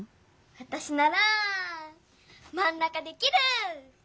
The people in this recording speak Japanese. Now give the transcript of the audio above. わたしならまん中できる！